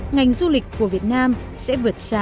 ngành du lịch của việt nam sẽ vượt xa